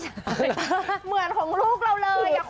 เหมือนของลูกเราเลย